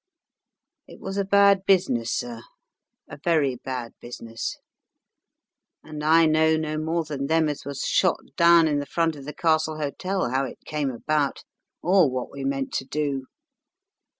"It was a bad business, sir a very bad business, and I know no more than them as was shot down in the front of the Castle Hotel how it came about or what we meant to do.